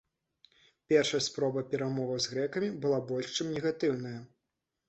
Першая спроба перамоваў з грэкамі была больш чым негатыўная.